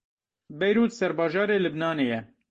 Beyrût serbajarê Libnanê ye.